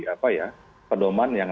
apa ya pedoman yang